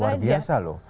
wah luar biasa loh